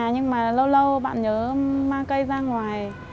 nhưng mà lâu lâu bạn nhớ mang cây ra ngoài